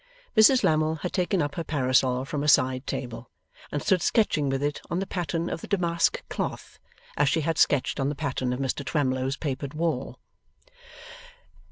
Mrs Lammle had taken up her parasol from a side table, and stood sketching with it on the pattern of the damask cloth, as she had sketched on the pattern of Mr Twemlow's papered wall.